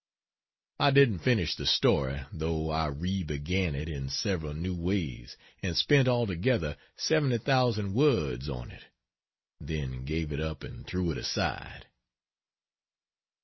I didn't finish the story, though I re began it in several new ways, and spent altogether 70,000 words on it, then gave it up and threw it aside.